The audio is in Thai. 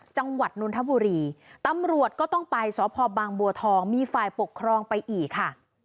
จังหวัดนนทบุรีตำรวจก็ต้องไปสพบางบัวทองมีฝ่ายปกครองไปอีกค่ะ